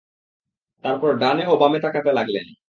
তারপর ডানে ও বামে তাকাতে লাগলেন।